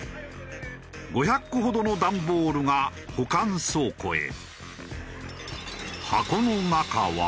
５００個ほどの段ボールが保管倉庫へ。